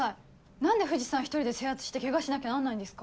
何で藤さん一人で制圧してケガしなきゃなんないんですか？